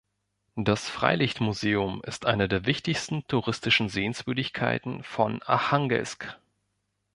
Das Freilichtmuseum ist eine der wichtigsten touristischen Sehenswürdigkeiten von Archangelsk.